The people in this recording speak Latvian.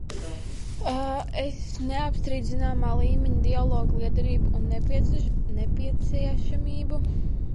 Es neapstrīdu zināma līmeņa dialoga lietderību un nepieciešamību.